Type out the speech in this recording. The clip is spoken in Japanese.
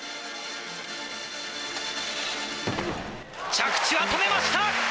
着地は止めました！